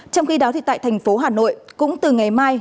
trong khi đó tại tp hcm cũng từ ngày mai